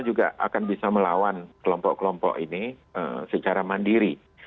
juga akan bisa melawan kelompok kelompok ini secara mandiri